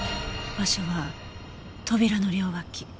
場所は扉の両脇。